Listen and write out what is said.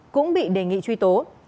cũng bị đề nghị truy tố